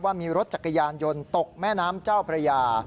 ว่ามีรถจักรยานยนต์ตกแม่น้ำเจ้าพระยา